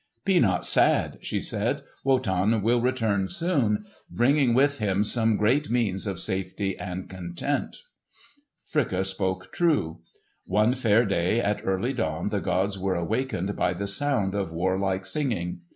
"Be not sad," she said. "Wotan will return soon, bringing with him some great means of safety and content." Fricka spoke true. One fair day at early dawn the gods were awakened by the sound of war like singing.